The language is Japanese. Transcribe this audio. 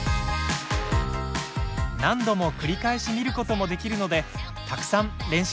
何度も繰り返し見ることもできるのでたくさん練習してみてください。